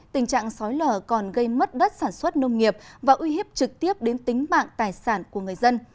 tình trạng sói lở còn gây mất đất sản xuất nông nghiệp và uy hiếp trực tiếp đến tính mạng tài sản của người dân